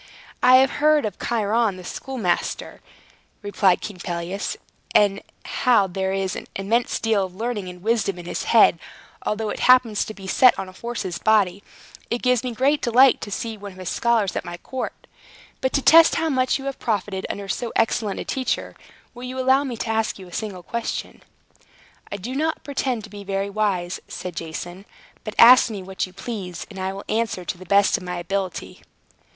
"I have heard of Chiron the schoolmaster," replied King Pelias, "and how that there is an immense deal of learning and wisdom in his head, although it happens to be set on a horse's body. It gives me great delight to see one of his scholars at my court. But to test how much you have profited under so excellent a teacher, will you allow me to ask you a single question?" "I do not pretend to be very wise," said Jason. "But ask me what you please, and I will answer to the best of my ability."